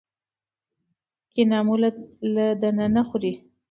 کینه مو له دننه خوري.